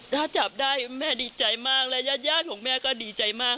ถ้าจับได้แม่ดีใจมากและญาติของแม่ก็ดีใจมาก